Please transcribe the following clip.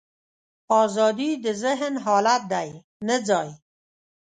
ازادي د ذهن حالت دی، نه ځای.